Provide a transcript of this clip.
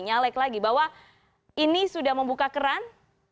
nyalek lagi bahwa ini sudah membuka keran